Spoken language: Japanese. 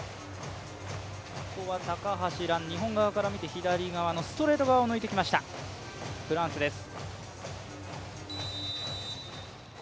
ここは高橋藍日本側から見て左側のストレート側を抜いてきましたフランスです。